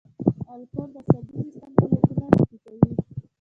الکول د عصبي سیستم فعالیتونه را ټیټوي.